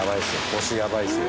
腰やばいですよ。